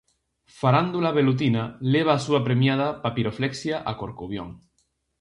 Farándula Velutina leva a súa premiada "papiroflexia" a Corcubión.